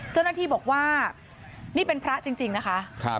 เจ้าหน้าที่บอกว่านี่เป็นพระจริงนะคะ